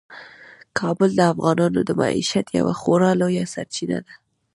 کابل د افغانانو د معیشت یوه خورا لویه سرچینه ده.